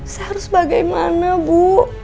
saya harus bagaimana bu